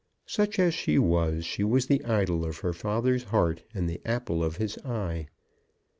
Such as she was, she was the idol of her father's heart and the apple of his eye.